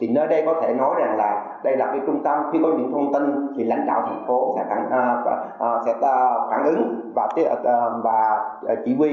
nơi đây có thể nói rằng đây là trung tâm khi có những thông tin thì lãnh đạo thành phố sẽ phản ứng và chỉ huy